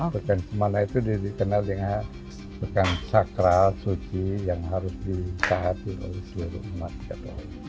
pekan semana itu dikenal dengan pekan sakral suci yang harus disahati oleh seluruh umat katolik